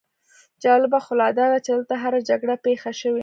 جالبه خو لا داده چې دلته هره جګړه پېښه شوې.